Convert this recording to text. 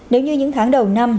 nếu như những tháng đầu năm